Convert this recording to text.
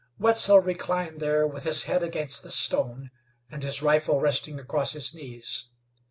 Wetzel reclined there with his head against the stone, and his rifle resting across his knees.